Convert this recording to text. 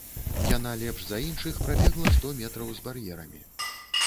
Яна лепш за іншых прабегла сто метраў з бар'ерамі.